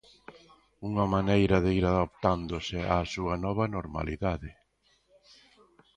Unha maneira de ir adaptándose á súa nova normalidade.